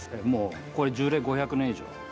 もうこれ樹齢５００年以上。